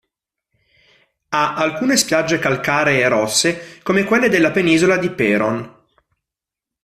Ha alcune spiagge calcaree rosse come quelle della penisola di Peron.